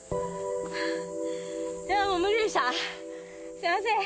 すいません。